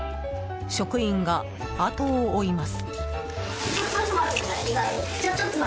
職員があとを追います。